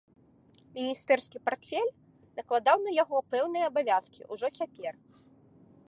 Міністэрскі партфель накладаў на яго пэўныя абавязкі ўжо цяпер.